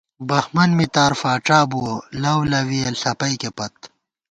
بہمن مِتار فاڄابُوَہ ، لؤلَوِیَہ ݪپَئیکے پت